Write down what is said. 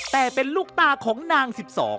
แต่เป็นลูกตาของนาง๑๒